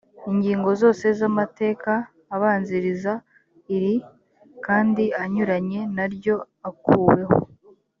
ingingo zose z amateka abanziriza iri kandi anyuranye naryo akuweho.